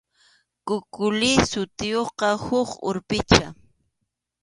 Kukuli sutiyuqqa huk urpicha.